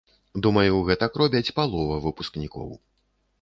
Думаю, гэтак робяць палова выпускнікоў.